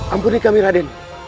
ampuni kami raden